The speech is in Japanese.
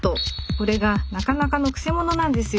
これがなかなかのくせ者なんですよ。